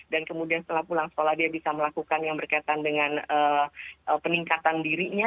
dan kemudian setelah pulang sekolah dia bisa melakukan yang berkaitan dengan peningkatan dirinya